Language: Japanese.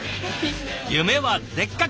夢はでっかく！